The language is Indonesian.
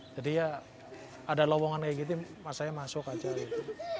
jadi ya ada lowongan kayak gitu saya masuk aja gitu